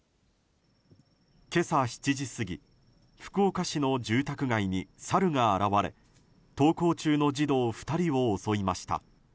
今朝７時過ぎ福岡市の住宅街にサルが現れ登校中の児童２人を襲いました。